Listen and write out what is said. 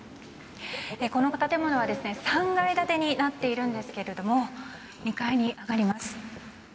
この建物は３階建てになっているんですけれども２階に上がります。